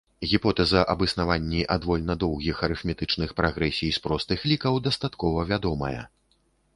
Гіпотэза аб існаванні адвольна доўгіх арыфметычных прагрэсій з простых лікаў дастаткова вядомая.